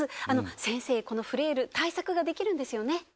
あの先生このフレイル対策ができるんですよね？